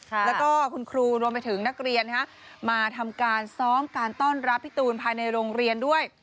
แล้วก็คุณครูรวมไปถึงนักเรียนมาทำการซ้อมการต้อนรับพี่ตูนภายในโรงเรียนด้วย